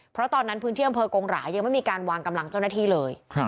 เพราะตอนนั้นพื้นที่อำเภอกงหรายังไม่มีการวางกำลังเจ้าหน้าที่เลย